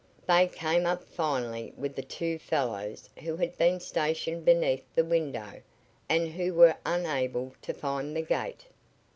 They came up finally with the two fellows who had been stationed beneath the window and who were unable to find the gate.